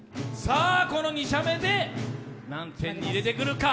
この２射目で何点に入れてくるか。